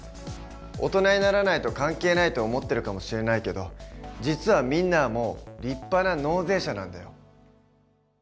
大人にならないと関係ないと思ってるかもしれないけど実はみんなはもう立派な納税者なんだよ。